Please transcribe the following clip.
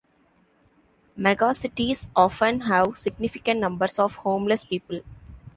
Megacities often have significant numbers of homeless people.